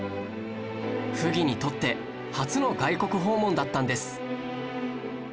溥儀にとって初の外国訪問だったんです